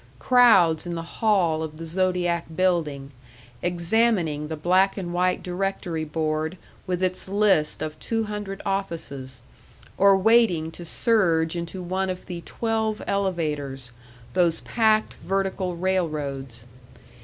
Crowds in the hall of the Zodiac Building, examining the black and white directory board with its list of two hundred offices, or waiting to surge into one of the twelve elevators those packed vertical railroads.